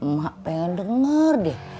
mak pengen denger deh